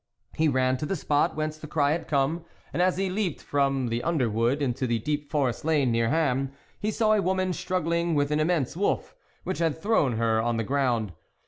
He ran to the spot whence the cry had come, and as he leaped from the under wood into the deep forest lane near Ham, he saw a woman struggling with an im mense wolf which had thrown her on the ground.